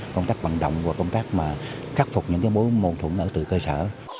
công tác bằng động và công tác khắc phục những mô thủng ở từ cơ sở